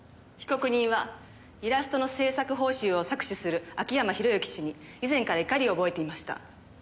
「被告人はイラストの制作報酬を搾取する秋山博之氏に以前から怒りを覚えていました」